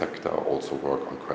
có rất nhiều cơ hội